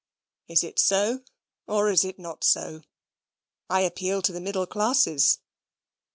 Is it so, or is it not so? I appeal to the middle classes.